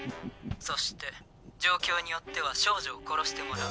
そして状況によっては少女を殺してもらう。